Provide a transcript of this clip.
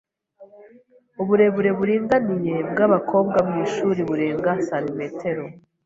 Uburebure buringaniye bwabakobwa mwishuri burenga santimetero .